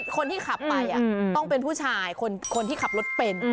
คนที่ขับไปต้องเป็นผู้ชายคนที่ขับรถเป็น